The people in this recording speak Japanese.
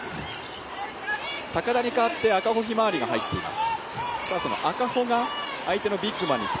高田に代わって赤穂ひまわりが入っています。